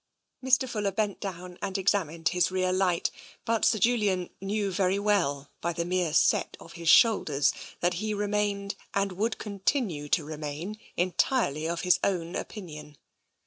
Mr. Fuller bent down and examined his rear light, but Sir Julian knew very well by the mere set of his shoulders that he remained, and would continue to re main, entirely of his own opinion.